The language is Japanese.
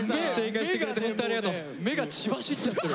目が血走っちゃってる。